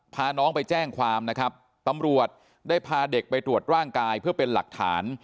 พาน้องไปแจ้งความนะครับตำรวจได้พาเด็กไปตรวจร่างกายเพื่อเป็นหลักฐาน